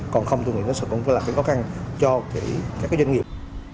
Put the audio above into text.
thì không tôi nghĩ nó sẽ cũng là cái khó khăn cho các doanh nghiệp